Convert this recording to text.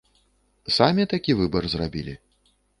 Самі такі выбар зрабілі?